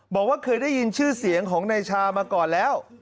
บอกว่าเคยได้ยินชื่อเสียงของนายชามาก่อนแล้ว